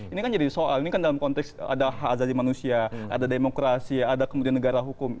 ini kan jadi soal ini kan dalam konteks ada hak azazi manusia ada demokrasi ada kemudian negara hukum